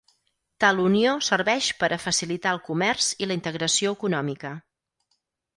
Tal unió serveix per a facilitar el comerç i la integració econòmica.